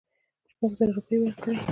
شپږزره روپۍ ورکړې.